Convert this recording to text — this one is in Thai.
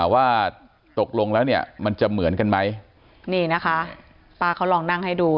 ว่าตกลงแล้วเนี่ยมันจะเหมือนกันไหมนี่นะคะป้าเขาลองนั่งให้ดู